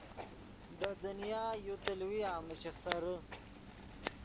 دے دنیا یو تیلویا مہ شیخترے